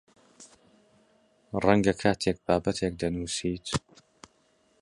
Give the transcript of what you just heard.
ڕەنگە کاتێک بابەتێک دەنووسیت